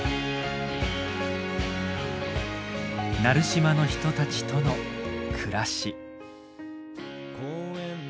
奈留島の人たちとの暮らし。